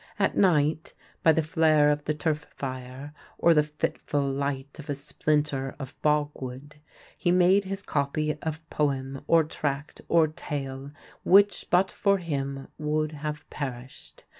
At night, by the flare of the turf fire or the fitful light of a splinter of bogwood, he made his copy of poem or tract or tale, which but for him would have perished.